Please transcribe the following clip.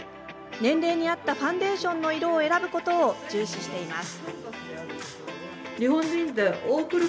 年齢に合ったファンデーションの色を選ぶことを重視しています。